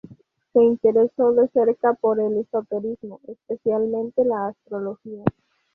Se interesó de cerca por el esoterismo, especialmente la astrología.